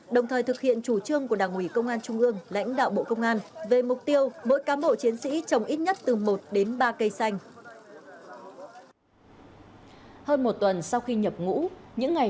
đồng thời thực hiện chủ trương của đảng ủy công an trung ương lãnh đạo bộ công an